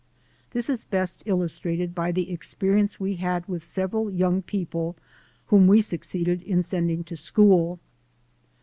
This is best illustrated by the ex perience we had with several young people whom we succeeded in sending to school.